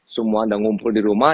semua anda ngumpul di rumah